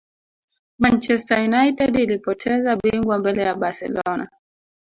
Manchester United ilipoteza bingwa mbele ya barcelona